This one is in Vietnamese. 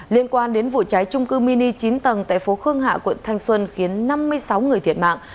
liên quan đến vụ cháy trung cư mini chín tầng tại phố khương hạ quận thanh xuân khiến năm mươi sáu người thiệt mạng